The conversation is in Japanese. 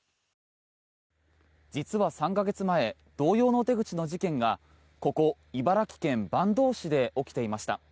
実は３か月前同様の手口の事件がここ茨城県坂東市で起きていました。